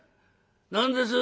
「何です？